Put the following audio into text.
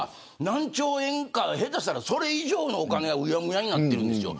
何兆円か下手したら、それ以上のお金がうやむやになっているんですよ。